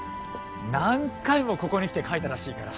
何回もここに来て描いたらしいから。